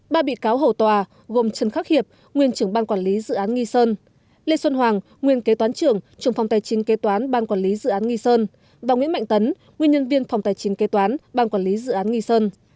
ba bị cáo hầu tòa gồm trần khắc hiệp nguyên trưởng ban quản lý dự án nghi sơn lê xuân hoàng nguyên kế toán trưởng trưởng phòng tài chính kế toán ban quản lý dự án nghi sơn và nguyễn mạnh tấn nguyên nhân viên phòng tài chính kế toán ban quản lý dự án nghi sơn